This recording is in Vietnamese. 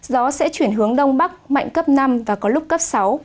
gió sẽ chuyển hướng đông bắc mạnh cấp năm và có lúc cấp sáu